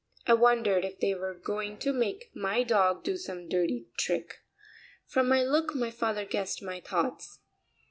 I wondered if they were going to make my dog do some dirty trick. From my look my father guessed my thoughts.